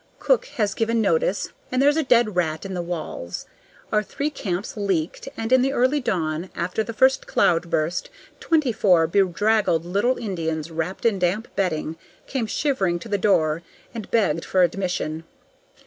Cook has given notice, and there's a dead rat in the walls. Our three camps leaked, and in the early dawn, after the first cloudburst, twenty four bedraggled little Indians, wrapped in damp bedding, came shivering to the door and begged for admission.